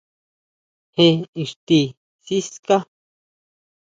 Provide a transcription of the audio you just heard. ¿ Jé íxti siská?